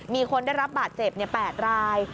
มีคนได้รับบาดเจ็บ๘ราย